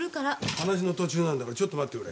話の途中なんだがちょっと待ってくれ。